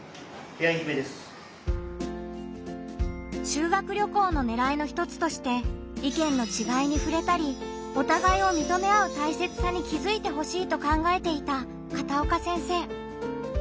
修学旅行のねらいの一つとして意見の違いにふれたりお互いを認め合うたいせつさに気づいてほしいと考えていた片岡先生。